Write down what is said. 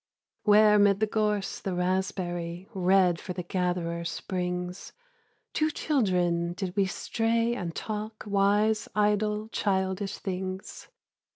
Where 'mid the gorse the raspberry Red for the gatherer springs, Two children did we stray and talk Wise, idle, childish things.